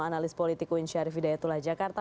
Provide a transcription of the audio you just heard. analis politik unsyarif hidayatullah jakarta